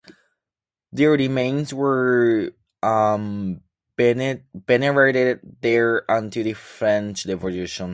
Their remains were venerated there until the French Revolution.